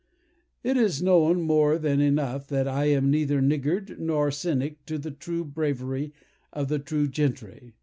"It is known more than enough that I am neither niggard nor cynic to the true bravery of the true gentry.